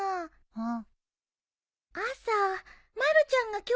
あっ。